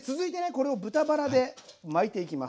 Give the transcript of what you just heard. これを豚バラで巻いていきます。